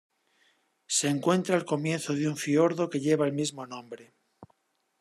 Se encuentra al comienzo de un fiordo que lleva el mismo nombre.